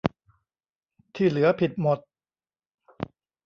ที่เหลือผิดหมด